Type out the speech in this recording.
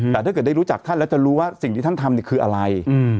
แต่ถ้าเกิดได้รู้จักท่านแล้วจะรู้ว่าสิ่งที่ท่านทำคืออะไร